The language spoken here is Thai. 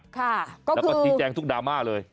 ค่ะก็คือแล้วก็จี๊แจงทุกดราม่าเลย